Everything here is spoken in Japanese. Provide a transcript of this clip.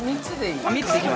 ◆３つでいい。